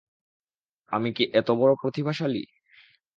আমি কি এতবড়ো প্রতিভাশালী?